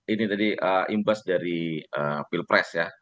ini tadi imbas dari pilpres ya